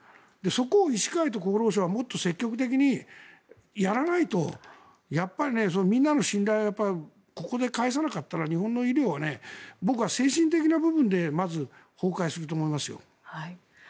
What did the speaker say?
そこを医師会と厚労省はもっと積極的にやらないとやっぱりみんなの信頼はここで返さなかったら日本の医療は精神的な部分でまず崩壊すると思います。